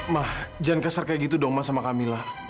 ma jangan keser kayak gitu dong sama kamilah